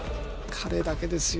彼だけですよ